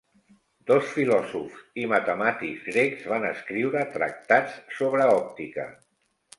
Dos filòsofs i matemàtics grecs van escriure tractats sobre òptica: